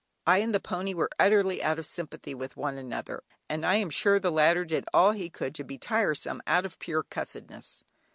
I and the pony were utterly out of sympathy with one another, and I am sure the latter did all he could to be tiresome out of pure "cussedness."